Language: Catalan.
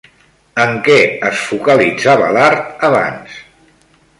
En què es focalitzava l'art abans?